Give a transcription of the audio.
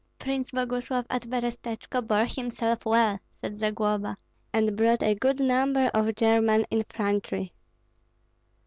"Prince Boguslav at Berestechko bore himself well," said Zagloba, "and brought a good number of German infantry."